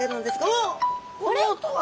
・おっこの音は！